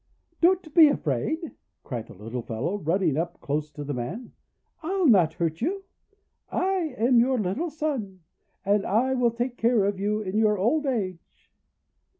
"Do not be afraid," cried the little fellow, running up close to the man. "I'll not hurt you! I am your little son, and will care for you in your old age."